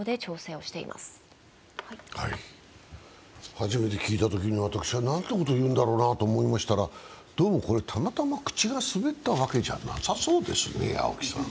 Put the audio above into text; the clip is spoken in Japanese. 初めて聞いたときには私は、なんてこと言うんだろうなと思いましたら、どうもこれ、たまたま口が滑ったわけじゃなさそうですね。